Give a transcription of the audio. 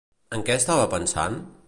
En què estava pensant?